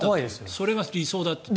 それが理想だと。